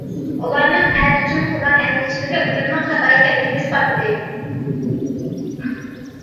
ئۇلارنىڭ ئەتە ئۈچۈن قىلغان ئەندىشىلىرى ئويۇمنىڭ خاتا ئىكەنلىكىنى ئىسپاتلىدى.